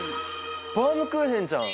バウムクーヘンじゃん！